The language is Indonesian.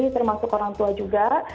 termasuk orang tua juga